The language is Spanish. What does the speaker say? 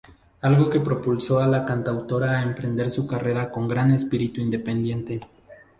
Algo que propulsó a la cantautora a emprender su carrera con gran espíritu independiente.